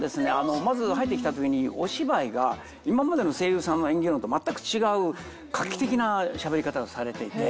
まず入ってきた時にお芝居が今までの声優さんが演じるのと全く違う画期的なしゃべり方をされていて。